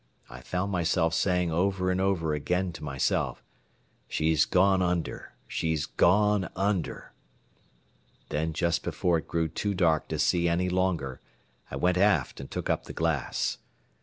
I found myself saying over and over again to myself, "She's gone under, she's gone under." Then just before it grew too dark to see any longer I went aft and took up the glass.